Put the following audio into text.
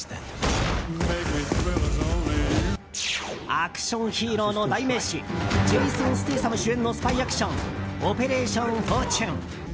アクションヒーローの代名詞ジェイソン・ステイサム主演のスパイアクション「オペレーション・フォーチュン」。